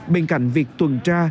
bên cạnh việc tuần tra